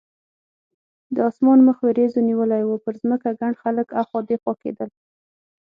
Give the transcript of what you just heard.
د اسمان مخ وریځو نیولی و، پر ځمکه ګڼ خلک اخوا دیخوا کېدل.